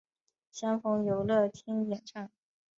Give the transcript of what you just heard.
相逢有乐町演唱。